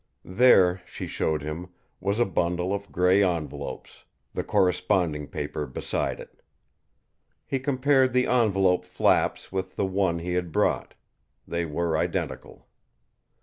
There, she showed him, was a bundle of grey envelopes, the corresponding paper beside it. He compared the envelope flaps with the one he had brought. They were identical.